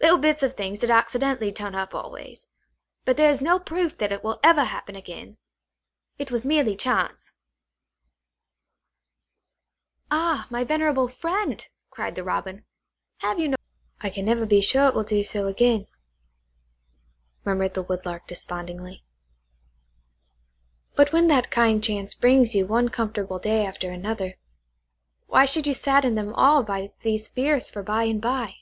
"little bits of things did accidentally turn up always. But there is no proof that it will ever happen again. It was merely chance!" "Ah, my venerable friend," cried the Robin; "have you no confidence in the kind chance that has befriended you so often before?" "I can never be sure it will do so again," murmured the Woodlark despondingly. "But when that kind chance brings you one comfortable day after another, why should you sadden them all by these fears for by and by?"